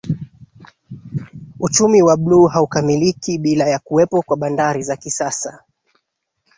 uchumi wa Buluu haukamiliki bila ya kuwepo kwa Bandari za kisasa